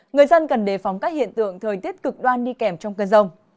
người dân cần đề phóng các hiện tượng thời tiết cực đoan đi kèm trong cơn rông